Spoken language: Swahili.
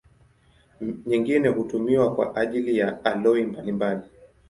Nyingine hutumiwa kwa ajili ya aloi mbalimbali.